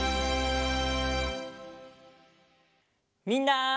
みんな！